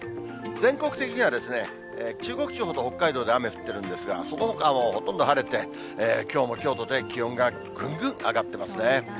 全国的には中国地方と北海道で雨降ってるんですが、そのほかもほとんど晴れて、きょうもきょうとて、気温がぐんぐん上がってますね。